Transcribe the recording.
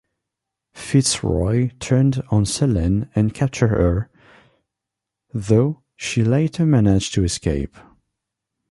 Fitzroy turned on Selene and captured her, though she later managed to escape.